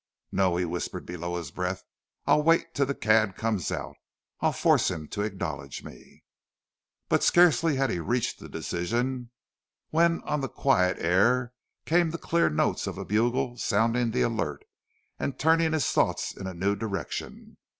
"No!" he whispered below his breath. "I'll wait till the cad comes out I'll force him to acknowledge me." But scarcely had he reached the decision, when on the quiet air came the clear notes of a bugle sounding the alert and turning his thoughts in a new direction.